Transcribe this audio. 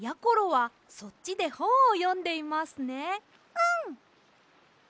うん。